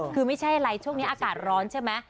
คือไม่ใช่อะไรช่วงนี้อากาศร้อนใช่ไหม